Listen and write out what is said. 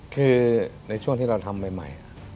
คือในช่วงที่เราทำใหม่